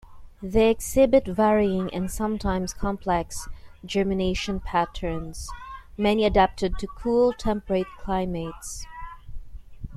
They exhibit varying and sometimes complex germination patterns, many adapted to cool temperate climates.